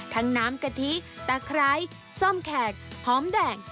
น้ำกะทิตะไคร้ส้มแขกหอมแดง